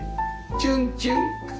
チュンチュン。